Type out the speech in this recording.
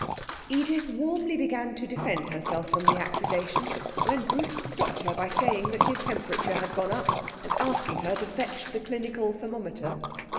Edith warmly began to defend herself from the accusation, when Bruce stopped her by saying that his temperature had gone up, and asking her to fetch the clinical thermometer.